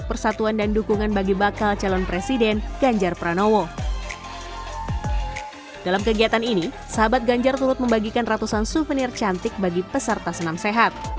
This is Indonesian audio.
pada bulan ini sahabat ganjar turut membagikan ratusan suvenir cantik bagi peserta senam sehat